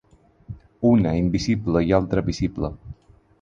Una invisible i altra visible.